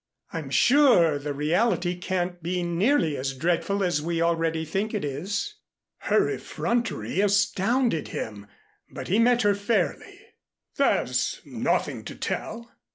I'm sure the reality can't be nearly as dreadful as we already think it is." Her effrontery astounded him, but he met her fairly. "There's nothing to tell.